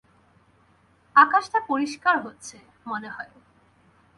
আকাশটা পরিষ্কার হচ্ছে, মনেহয়।